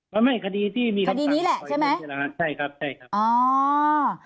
ก็ไม่คดีที่มีคำสั่งอยู่ดนตราใช่ไหม